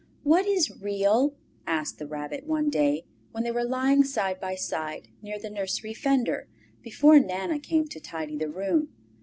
"What is REAL?" asked the Rabbit one day, when they were lying side by side near the nursery fender, before Nana came to tidy the room.